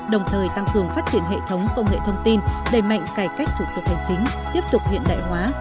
đồng thời tăng cường phát triển hệ thống công nghệ thông tin đầy mạnh cải cách thủ tục hành chính tiếp tục hiện đại hóa